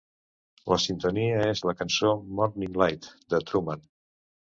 La sintonia és la cançó "Morning Light" de Truman.